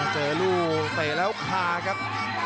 เจอลูกเตะแล้วคาครับ